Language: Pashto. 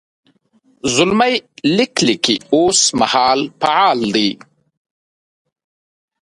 زلمی لیک لیکي اوس مهال فعل دی.